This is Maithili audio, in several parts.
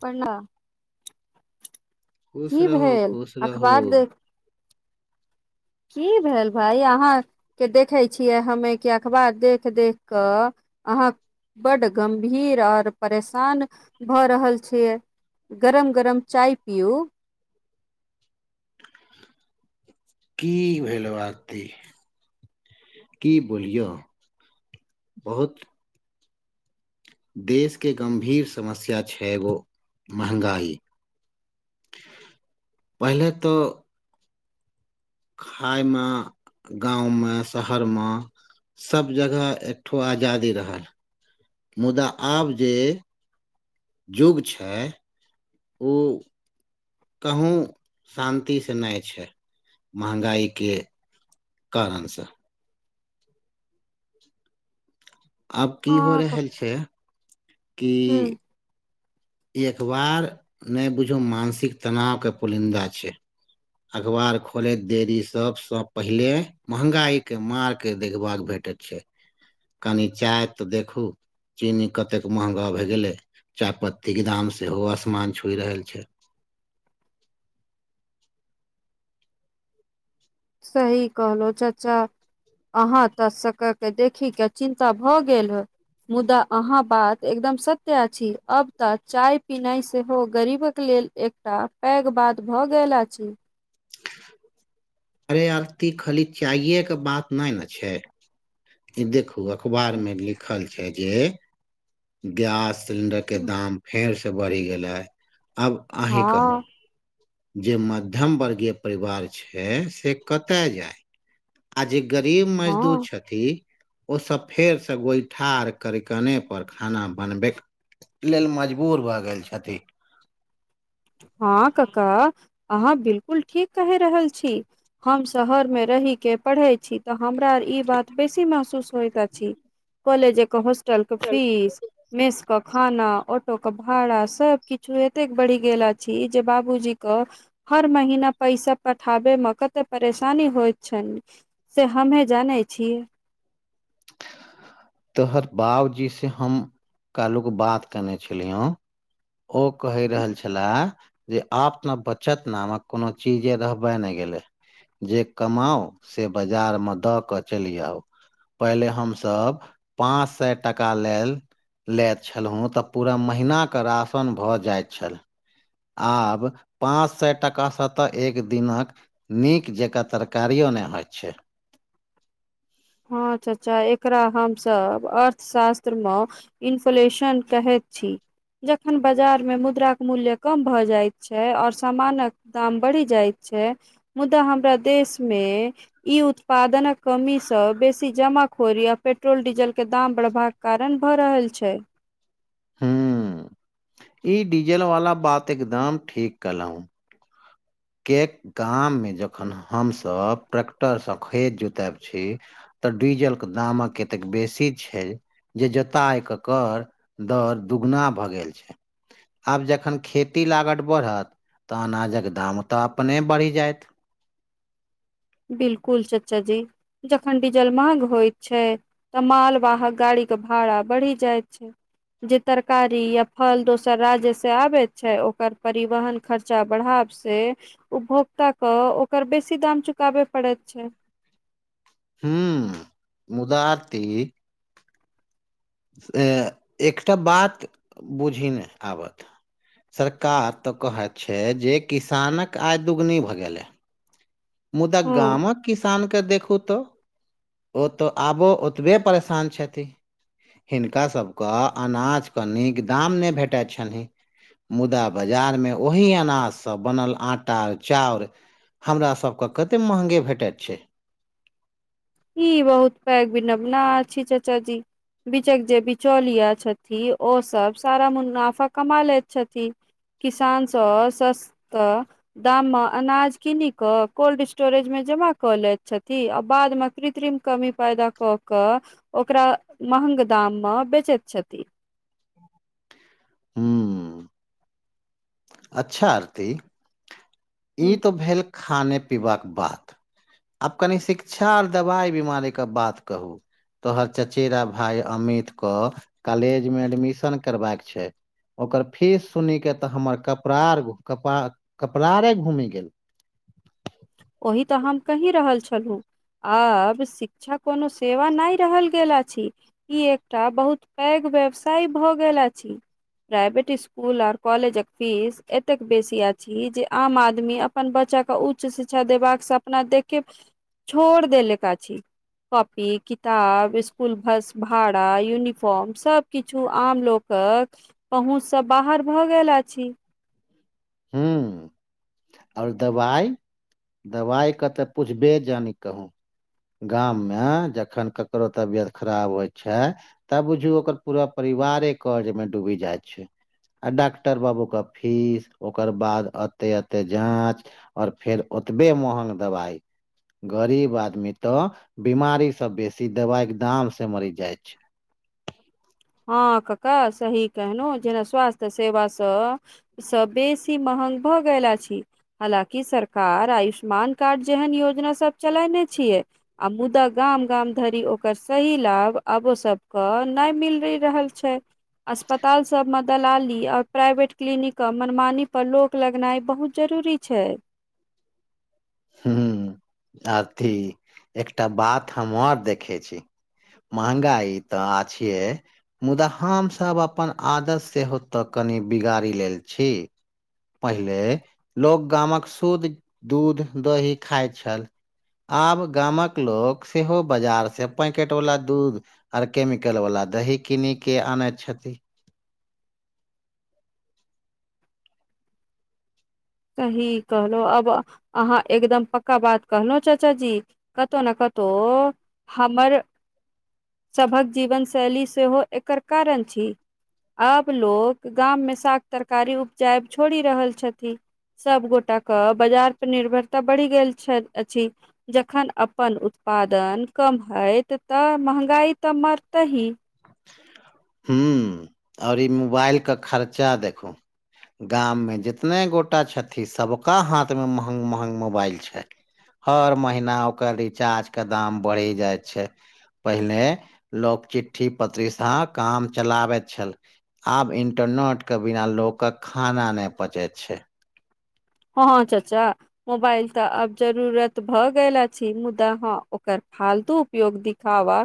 प्रणा [inaudible] खुश की रहू भेल खुश रहू अखबार देख की भेल भाई अहाँ केँ देखै छियै हमे केँ अखबार देख देख कऽ अहाँकेँ बड गम्भीर और परेशान भऽ रहल छियै गरम गरम चाय पिउ की भेलो आरती की बोलियौ [inaudible] बहुत देश केँ गंभीर समस्या छै गो महँगाई [inaudible] पहिले तो खायमे गाँवमे शहर म सब जगह एकठो आजादी रहल [inaudible] मुदा आब जे जुग छै [inaudible] उ कहूँ शान्ति से नै छै महंगाइ केँ करण स आब की हो हँ रहल छै [inaudible] कि ह एखबार नै बुझू मानसिक तनाव कऽ पुलिन्दा छै अखबार खोले देरी सब सा पहिले महंगाई केँ माँ केँ देखबा कऽ भेटैत छै कनि चाय तऽ देखू चीनी कतेक महंगा भैए गेलै चाय पत्ती केँ दाम सेहो आसमान छू रहल छैय सही कहलो चाचा अहाँ तऽ शक्कर केँ देखी कऽ चिन्ता भऽ गेल हे मुदा अहाँ बात एकदम सत्य अछी अब तऽ चाय पीनाइ सेहो गरीब कऽ लेल तऽ पैघ बात भए गेला अछि अरे आरती खाली चाइेके बात नहि ने छै। देखू अखबार मे लिखल छै जे गैस सिलेडर के दाम फेर से बढ़ि गेले अब अही कहु हँ जे मध्यम वर्गीय परिवार छै। से कतय जाय आ जे गरीब हँ मजदूर छथि ओ सभ फेर से गोइठा आर कर। दकानेपर खाना बनबै लेलऽ मजबूर भऽ गेल छथि हँ काका अहाँ बिल्कूल ठीक कहि रहल छी हम शहर मे रहि के पढ़े छी। तऽ हमरा आर इ बात बेसी महसूस होयत अछि कॉलेज के हॉस्टल कें फीस मेस के खाना ऑटो के भाड़ा सभ किछु एते बढ़ गेल छी जे बाबूजी कऽ हर महीना पैसा पठाबे मे कते परेशानी होय छै से हमहूँ जानै छियै तोहर बाबजी से हम कहलुक बात केने छलिय हैं ओ कहि रहल छै लऽ जे आप ने बचत ने हम कोनो चीजे रहबे नहि गेलै। ज कमाउ से बाजारमे दऽ कऽ चलि आउ पहिले हम सभ पाँच सए टाका लेल लैत छलहुँ तऽ पूरा महीना के राशन भऽ जाइ छल आब पाँच सए टाका सतह एक दिन कऽ नीक जकाँ तरकारियो नहि होइ छै। हँ चचा एकरा हम सभ अर्थशास्त्र मे इन्फ्लेशन कहैत छी। जखन बाजार मे मुद्राक मूल्य कम भए जाइत छै आओर सामान कऽ दाम बढ़ि जाइत छै मुदा हमरा देश मे उत्पादनक सँ बेसी जमाखोरी आ पेट्रोल डीजलके दाम बढ़बाक कारण भऽ रहल छै हू। डीजल वाला बात एकदम ठीक केलो केक गाम मे जखन हम सभ ट्रैक्टरसँ खेत जोतायब छी तऽ डीजल के दामक कतेक बेसी छैय जे जोताय ककर दर दुगुना भऽ गेल छैय आब जखन खेती लागत बढ़त त अनाजक दाम तऽ अपने बढ़ि जायत बिल्कुल चाचा जी। जखन डीजल महग होइत छै तऽ मालवाहक गाड़ीक के भाड़ा बढ़ि जाइत छैय जे तरकारी या फल दोसर राज्य से आबे छै ओकर परिवहन। खर्चा बढ़ाव से उपभोक्ता के ओकर बेसी दाम चुकाबय पड़ैत छैय। हू मुदाई एकटा बात बुझि नहि आबत सरकार त कहैत छैय जे किसानक आय दुगुनी भऽ गेलै मुदा हँ गाम कऽ किसान के देखू त ओ तऽ आबो ओतबे परेशान छथिन हिनका सभके अनाजक नीक दाम नहि भेटै छनि मुदा बाजार मे ओही अनाजसँ बनल आटा चाउर हमरा सभ के कते महगे भेटैत छै ई बहुत पैघ अछि चचा जी बीचक जे बिचौलिया छथि ओ सब सारा मुनाफा कमा लेैत छथि किसान सँ सस्ता दाम मे अनाज कनि कऽ कोल्ड स्टोरेज मे जमा कऽ लैत छथि आ बाद मे कृत्रिम कमी पैदा कऽ कऽ ओकरा महग दाम मऽ बेचैत छथि हुँ अच्छऽ आरती ई तऽ भेल खाने पीबाक बात आब कनि शिक्षा आर दवाई बीमारी कऽ बात कहू तोहर चचेरा भाय अमित कऽ कॉलेज मे एडमिशन करबाक छै ओकर फिस सुनि केँ तऽ हमर कपड़ार कपा कपड़ारे घूमि गेल ओहि तऽ हम कही रहल छलहुँ आब शिक्षा कोनो सेवा नय रहल गेल अछि ई एकटा बहुत पैघ व्यवसाय भऽ गेल अछि प्राइवेट इसकुल आआर कॉलेजक फीस एतेक बेसी अछि जे आम आदमी अ अपन बच्चा केँ उच्च शिक्षा देबाक सपना देख केँ छोड़ देेलक अछि कॉपी किताब इसकुल बस भाड़ा यूनिफॉर्म सब किछु आम लोक कऽ पहुँच सँ बाहर भऽ गेला अछि हुँ आओर दवाइ - दवाइ कऽ तऽ पुछबे जा नय कहू गाम मे जखन ककरो तबियत खराब होइ छै तऽ बुझू ओकर पूरा परिवारे कर्जमे डूबी जाइ छै आ डॉक्टर बाबू कऽ फीस ओकर बाद एते ए ते जाँच आओर फेर ओतबे महग दबाइ गरीब आदमी तऽ बिमारी सँ बेसी दबाइ केँ दाम सँ जरी जाइ छै हँ काका सही कहलहु जेना स्वास्थ्य सेवा सँ सँ बेसी महग भऽ गेला अछि हालाँकि सरकार आयुष्मान कार्ड जेहन योजना सब चलेने छियै आ मुदा गाम गाम धरि ओकर सही लाभ आबो सबके नय मिल करी रहल छै अस्पताल सब मऽ दलाली आओर प्राइवेट क्लीिनिक कऽ मनमानी पर लोग रोक लगनाइ बहुत जरूरी छै हुँ आरती एकटा बात हम अर देखै छी महगाई तऽ आ छिये मुदा हम सभ अपन आदत सेहो तऽ कनि बिगाड़ी लेल छी पहिले लोक गामक शुद्ध दूध दही खाइ छल आब गामक लोक सेहो बाजार से पैकेट वला दूध आर केमिकल वला दही कीनि केँ आनैत छथि सही कहलहु अब अहाँ एकदम पक्का बात कहलहु चाचा जी कतहु नऽ कतहु हमर सभक जीवनशैली सेहो एकर कारण छी आब लोक गाम मे साग तरकारी उपजाइ छोड़ि रहल छथि सब गोटा कऽ बाजार पर निर्भरता बढ़ि गेल छै अछि जखन अपन उत्पादन कम होत तऽ महँगाइ तऽ मरतही हू आओर ई मोबाइल कऽ खर्चा देखू गाम मे जितने गोटा छथि सभ कऽ हाथ मे महग महग मोबाइल छै हर महीना ओकर रिचार्ज के दाम बढ़ि जाइ छै। पहिले लोक चिठ्ठी पत्री सँ काम चलाबैत छेल आब इन्टरनट कऽ बिना लोक कऽ खाना नहि पचैत छै ह ह चाचा मोबाइल तऽ आब जरूरत भऽ गेल अछि मुदा हैं ओकर फालतू उपयोग दिखावा।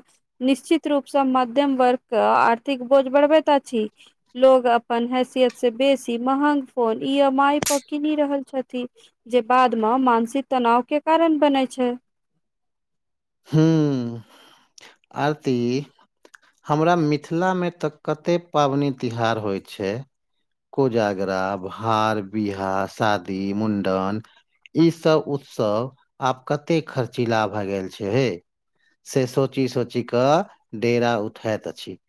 निश्चित रूपसँ मध्यम वर्ग के आर्थिक बोझ बढ़बैत अछि। लोग अपन हैसियतसँ बेसी महग फोन ई एम आइ पर किनि लऽ रहल छथि जे बादमे मानसिक तनाव के कारण बनै छै। हू आरती। हमरा मिथिला मे तऽ कतेक पाबनि तिहार होइत छै। कोजागरा, भर, बिहा, शादी, मुण्डन सभ उत्सव आब कते खर्चीला भए गेल छै। इहे से सोची सोची क डेरा उठाइत अछि।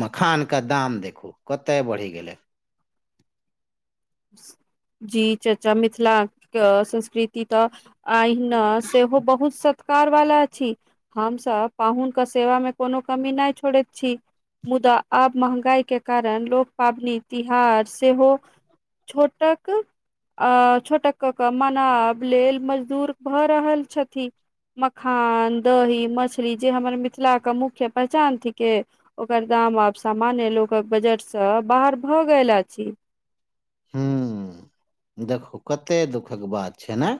मखान कऽ दाम देखू कते बढ़ि गेलै। जी चचा मिथिलाके संस्कृति त अहिना सेहो बहुत सत्कार वाला अछि। हम सभ पाहुनके सेवा मे कोनो कमी नहि छोड़ैत छी। मुदा आब महगाई के कारण लोक पाबनि तिहार सेहो छोट कऽ छोटक के मनाब लेल मजदूर भऽ रहल छथिन। मखान, दही, मछली जे हमर मिथिला के मुख्य पहचान थ ओकर दाम आब सामान्य लोक कऽ बजटसँ बाहर भऽ गेल अछि। हू। देखू कते दुख कऽ बात छै ने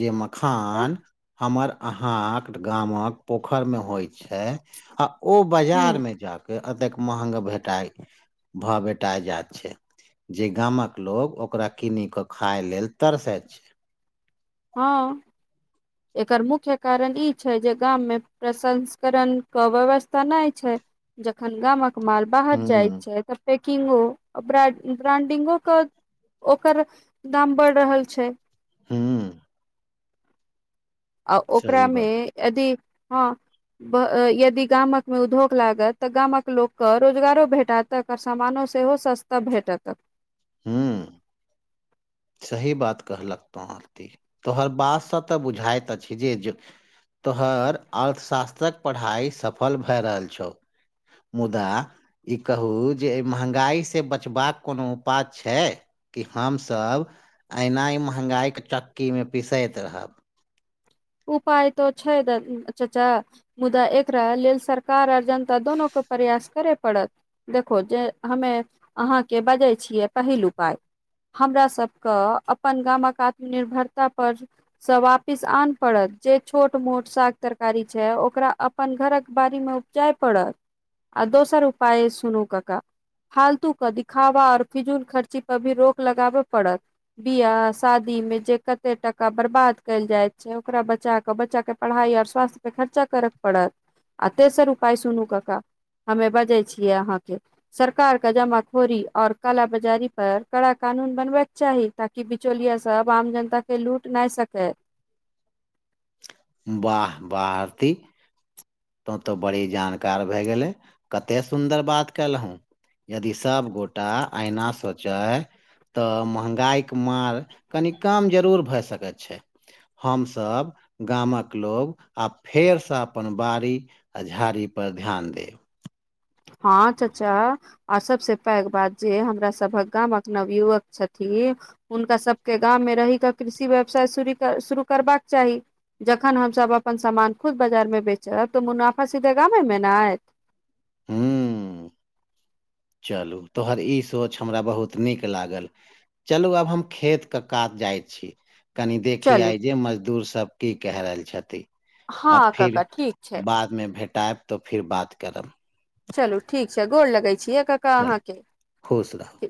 जे मखान हमर अहाँकेँ गामक पोखरिमे होइ छै आ ओ हूँ बजार मे जाके अतेक महग भेटाय। भेटाय जात छै जे गाम कऽ लोकोग ओकरा किन कऽ खाय लेल तरसैत छी। ह एकर मुख्य कारण ई छै जे गाम मे प्रसंस्करण के व्यवस्था नहि छै। जखन गाम कऽ माल बाहर जाय हूं छै तऽ किहो ब्रांडिगो के ओकर दाम बढ़ि रहल छै। हू आ ओकरा सही मे बात यदि ह यदि गाम कऽ मे उद्योग लागत तऽ गाम कऽ लोक के रोजगारो भेटत। तकर सामानो सेहो सस्ता भेटतकऽ हू सही बात कहलकऽ तो आरती तोहर बातसँ तऽ बुझाइत अछि जे तोहर अर्थशास्त्रकऽ पढ़ाइ सफल भए रहल छौ। मुदा ई कहू जे एहि महँगाइसँ बचबाकऽ कोनो उपाय छै कि हमसभ ऐना ई महँंगाइ के चक्कीमे पिसैत रहब। उपाय तऽ छै चच्चा मुदा एकरा लेलऽ सरकार आर जनता दुोनु के प्रयास करय पड़त। देखो जे हमे अहाँके बजै छियै पहिल उपाय। हमर सभके अपन गामक आत्मनिर्भरता परसँ वापिस आन जे छोट मोट साग तरकारी छै ओकरा अपन घरक बारी मे उपजाय पड़त। आ दोसर उपाय सुनू कक्का फालतू के दिखावा आऔर फिजुल खर्ची पर रोक लगाबय पड़त। बियाह - शादी में जे कते टका बर्बाद कल जाय छै ओकरा बचा कऽ बच्चाके पढ़ाई आर स्वास्थ्य पे खर्चा करके पड़त। आ तेसर उपाय सुनु कक्का हमे बजै छियै अहाँके सरकार का जमाखोरी और काल बाजारी पर कड़ा कानून बनबै चाही ताकि बिचौलिया सब आम जनताके लूटि नहि सकै वाह बारती तोँ तो बड़ी जानकार भए गेलै कतेक सुन्दर बात कलहु यदि सभ गोटा अहिना सोचय तऽ महँगाइके मार कनि कम जरूर भऽ सकै छै हम सब गामक लोग आ फेर से अपन बारी आ झाड़ी पर ध्यान देव हँ चाचा आर सबस पैघ बात जे हमरा सभक गामक नवयुवक छथिन हुनका सभके गाममे रहि कऽ कृषि व्यवसाय सूरु कंरबाक चाहि जखन हमसभ अपन सामान खुद बाजारमे बेचब तऽ मुनाफा सीधे गामे नेआयत चल तोहर ई सोच हमरा बहुत नीक लागल चलू आब हम खेत के कात जाइ छी कनि चलू देखिय जे मजदूर सब की क रहल छथि आ हँ काका फिर ठीक छै बात मे भेटाएब तऽ फेर बात करब चलू ठीक छै गोरलगे छीए चल ककाअहाके खुश रहू